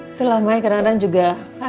itulah makanya kadang kadang juga